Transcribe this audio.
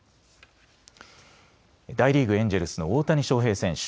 大リーグ、エンジェルスの大谷翔平選手。